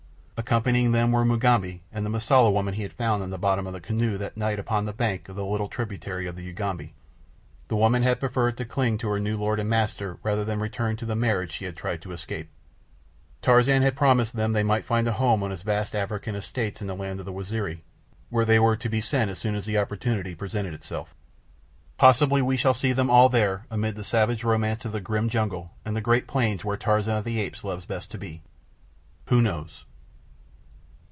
Accompanying them were Mugambi and the Mosula woman whom he had found in the bottom of the canoe that night upon the bank of the little tributary of the Ugambi. The woman had preferred to cling to her new lord and master rather than return to the marriage she had tried to escape. Tarzan had proposed to them that they might find a home upon his vast African estates in the land of the Waziri, where they were to be sent as soon as opportunity presented itself. Possibly we shall see them all there amid the savage romance of the grim jungle and the great plains where Tarzan of the Apes loves best to be. Who knows?